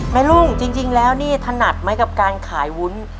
ลุงจริงแล้วนี่ถนัดไหมกับการขายวุ้น